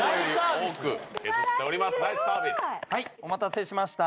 お待たせしました。